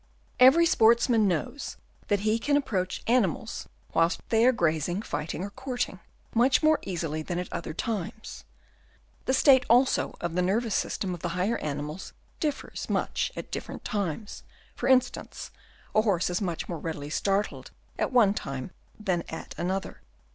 Every sportsman knows that he can approach animals whilst they are grazing, fighting or com ting, much more easily than at other times. The state, also, of the nervous system of the higher animals differs much at different times, for instance, a horse is much more readily startled at one time than at another.